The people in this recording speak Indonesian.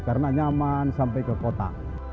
karena nyaman sampai ke kota